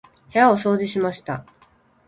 部屋を掃除しました。